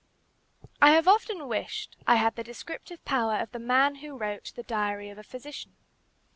I have often wished I had the descriptive power of the man who wrote "The Diary of a Physician."